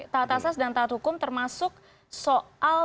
taat asas dan taat hukum termasuk soal